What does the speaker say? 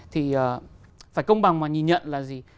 thì phải công bằng mà nhìn nhận là gì